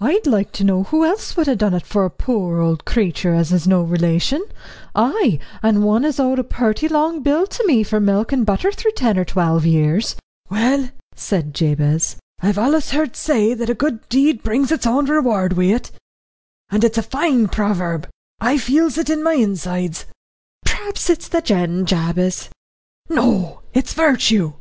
"I'd like to know who else would ha' done it for a poor old creetur as is no relation; ay and one as owed a purty long bill to me for milk and butter through ten or twelve years." "Well," said Jabez, "I've allus heard say that a good deed brings its own reward wi' it and it's a fine proverb. I feels it in my insides." "P'raps it's the gin, Jabez." "No it's virtue.